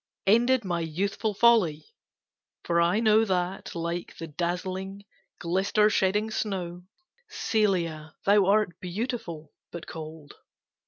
Ended my youthful folly! for I know That, like the dazzling, glister shedding snow, Celia, thou art beautiful, but cold.